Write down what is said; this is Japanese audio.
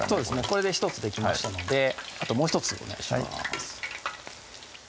これで１つできましたのであともう１つお願いします